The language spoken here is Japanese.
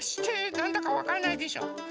なんだかわからないでしょ。